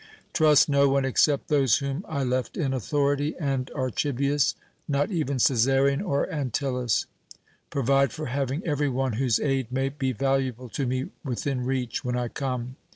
Trust no one except those whom I left in authority, and Archibius, not even Cæsarion or Antyllus. Provide for having every one whose aid may be valuable to me within reach when I come.